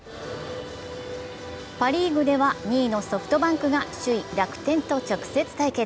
パ・リーグでは２位のソフトバンクが首位ソフトバンクと直接対決。